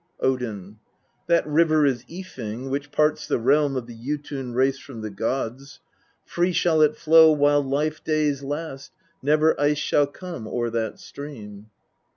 Odin. 1 6. That River is I ling which parts the realm of the Jotun race from the gods ; free shall it flow while life days last ; never ice shall come o'er that stream.